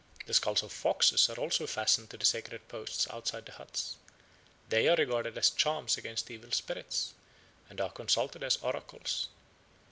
The skulls of foxes are also fastened to the sacred posts outside the huts; they are regarded as charms against evil spirits, and are consulted as oracles.